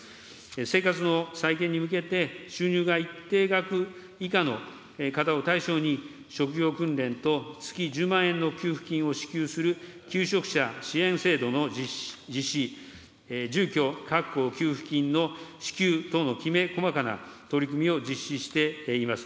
生活の再建に向けて、収入が一定額以下の方を対象に、職業訓練と月１０万円の給付金を支給する求職者支援制度の実施、住居確保給付金の支給等のきめ細かな取り組みを実施しています。